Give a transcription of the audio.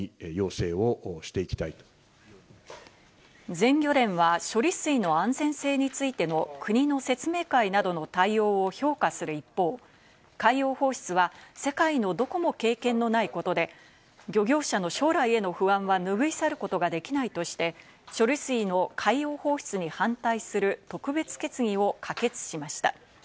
全漁連は処理水の安全性についての国の説明会などの対応を評価する一方、海洋放出は世界のどこも経験のないことで、漁業者の将来への不安は拭い去ることができないとして、処理水の海洋放出に反対する特別決議を可決しました。